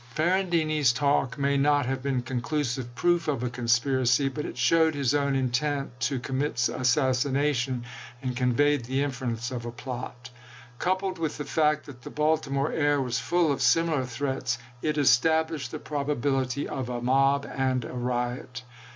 Ferrandini's talk may not have Lamon, been conclusive proof of a conspiracy, but it Atoaham showed his own intent to commit assassination, p.C5i6!' and conveyed the inference of a plot. Coupled with the fact that the Baltimore air was full of similar threats, it established the probability of a mob and a riot.